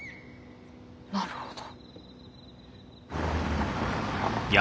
なるほど。